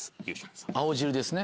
青汁ですね。